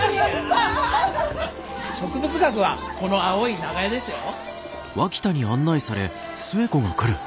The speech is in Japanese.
植物学はこの青い長屋ですよ。